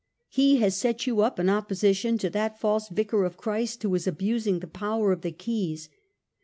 He has set you up in opposition to that false Vicar of Christ who is abusing the power of the keys.